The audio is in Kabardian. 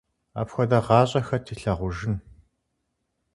Апхуэдэ гъащӀэ хэт илъагъужын…